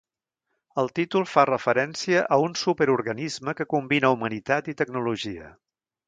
El títol fa referència a un superorganisme que combina humanitat i tecnologia.